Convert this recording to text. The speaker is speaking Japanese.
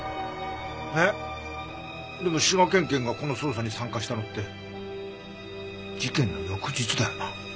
えっでも滋賀県警がこの捜査に参加したのって事件の翌日だよな。